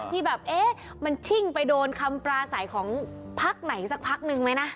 ที่แบบเอ๊ะมันชิ่งไปโดนคำปราศัยของพักไหนสักพักนึงไหมนะ